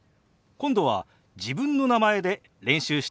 今度は自分の名前で練習してみましょう。